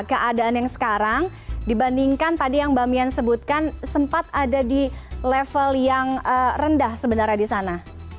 keadaan yang sekarang dibandingkan tadi yang mbak mian sebutkan sempat ada di level yang rendah sebenarnya di sana